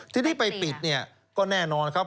ทีนี้ไปปิดเนี่ยก็แน่นอนครับ